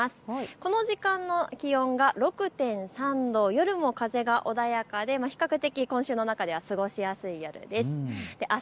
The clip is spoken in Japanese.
この時間の気温が６．３度、夜も風が穏やかで比較的、今週の中では過ごしやすい夜です。